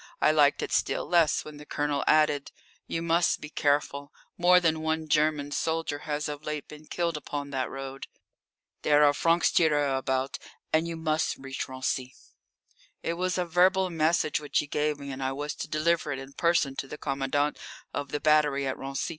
I liked it still less when the Colonel added: "You must be careful. More than one German soldier has of late been killed upon that road. There are francs tireurs about. And you must reach Raincy." It was a verbal message which he gave me, and I was to deliver it in person to the commandant of the battery at Raincy.